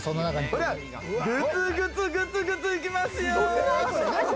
ほら、グツグツ、グツグツ行きますよ！